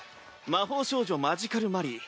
「魔法少女マジカル・マリー」。